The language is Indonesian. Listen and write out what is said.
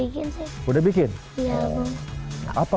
kamu udah bikin sih